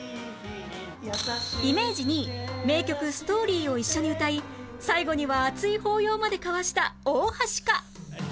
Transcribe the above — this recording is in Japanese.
イメージ２位名曲『Ｓｔｏｒｙ』を一緒に歌い最後には熱い抱擁まで交わした大橋か？